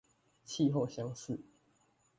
氣候相似